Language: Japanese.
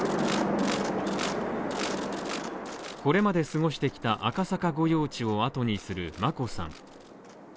これまで過ごしてきた赤坂御用地をあとにする眞子さん。